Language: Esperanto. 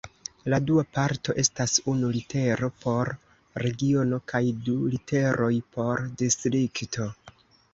La dua parto estas unu litero por regiono kaj du literoj por distrikto.